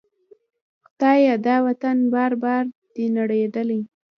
خدایه! دا وطن بار بار دی نړیدلی